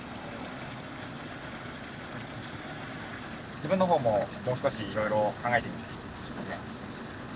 自分の方ももう少しいろいろ考えてみます。